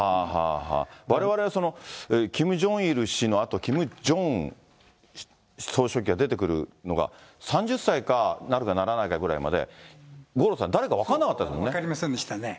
われわれはキム・ジョンイル氏のあと、キム・ジョンウン総書記が出てくるのが３０歳になるかならないかぐらいまで、五郎さん、分かりませんでしたね。